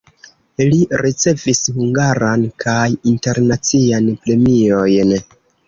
Li ricevis hungaran kaj internacian premiojn.